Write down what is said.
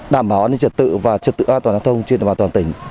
đảm bảo an ninh trật tự và trật tự an toàn giao thông trên toàn tỉnh